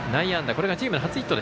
これがチーム初ヒット。